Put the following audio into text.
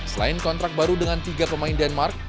selain kontrak baru dengan tiga pemain denmark